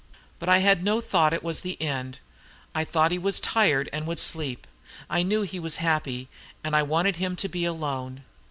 "But I had no thought it was the end: I thought he was tired and would sleep. I knew he was happy, and I wanted him to be alone.